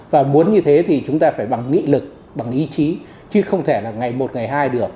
và muốn như thế thì chúng ta phải bằng nghị lực bằng ý chí chứ không thể là ngày một ngày hai được